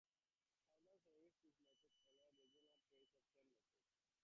Southern semifinals with six matchdays followed the regional phase of ten matchdays.